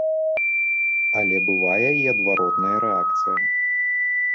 Але бывае і адваротная рэакцыя.